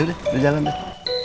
ya udah udah jalan deh